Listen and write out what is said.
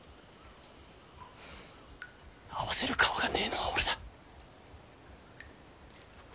合わせる顔がねぇのは俺だ。